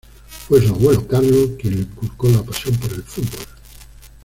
Fue su abuelo Carlo quien le inculcó la pasión por el fútbol.